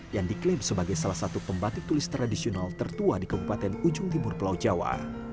yang diklaim sebagai salah satu pembatik tulis tradisional tertua di kabupaten ujung timur pulau jawa